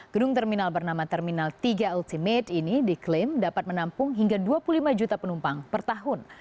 gedung terminal bernama terminal tiga ultimate ini diklaim dapat menampung hingga dua puluh lima juta penumpang per tahun